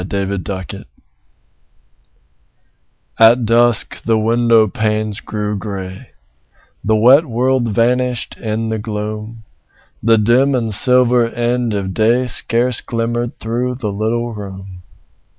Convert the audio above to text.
FORGIVENESS At dusk the window panes grew grey; The wet world vanished in the gloom; The dim and silver end of day Scarce glimmered through the little room.